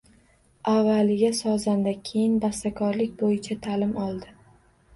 Avvaliga, sozanda, keyin bastakorlik bo’yicha ta’lim oldi.